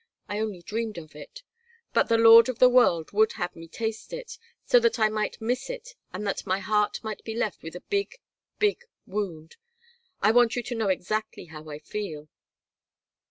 I only dreamed of it. But the Lord of the World would have me taste it, so that I might miss it and that my heart might be left with a big, big wound. I want you to know exactly how I feel.